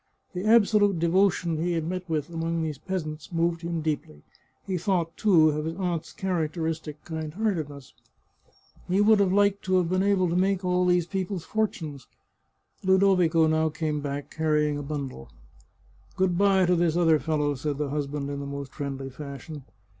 The absolute devotion he had met with among these peasants moved him deeply. He thought, too, of his aunt's characteristic kind heartedness. He would have liked to 207 The Chartreuse of Parma have been able to make all these people's fortunes. Ludo vico now came back, carrying a bundle. " Good bye to this other fellow," said the husband in the most friendly fashion.